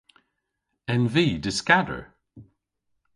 En vy dyskador?